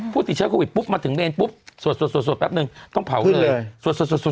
ติดเชื้อโควิดปุ๊บมาถึงเมนปุ๊บสวดแป๊บนึงต้องเผาขึ้นเลย